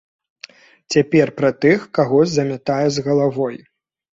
Цяпер пра тых, каго замятае з галавой.